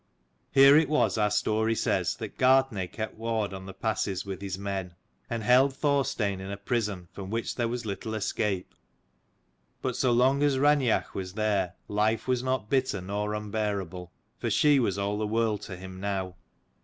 Here it was, our story says, that Gartnaidh kept ward on the passes with his men, and held Thorstein in a prison from which there was little escape. But so long as Raineach was there, life was not bitter nor unbearable : for she was all the world to him now.